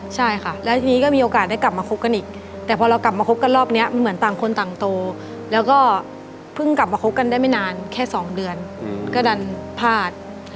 ใช่ค่ะแล้วทีนี้ก็มีโอกาสได้กลับมาคบกันอีกแต่พอเรากลับมาคบกันรอบนี้มันเหมือนต่างคนต่างโตแล้วก็เพิ่งกลับมาคบกันได้ไม่นานแค่๒เดือนก็ดันพลาด